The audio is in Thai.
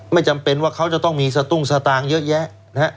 จำเป็นว่าเขาจะต้องมีสตุ้งสตางค์เยอะแยะนะฮะ